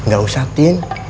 gak usah tin